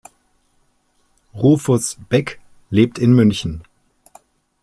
Rufus Beck lebt in München.